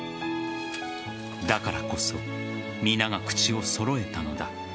だからこそ皆が口を揃えたのだ。